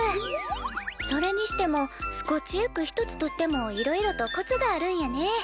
それにしてもスコッチエッグひとつとってもいろいろとコツがあるんやね。